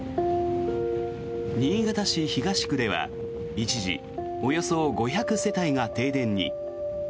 新潟市東区では一時およそ５００世帯が停電に。